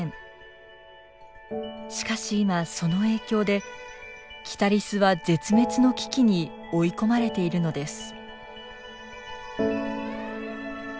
しかし今その影響でキタリスは絶滅の危機に追い込まれているのです。